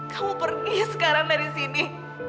kamu pergi sekarang dari sini